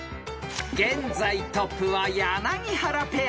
［現在トップは柳原ペア］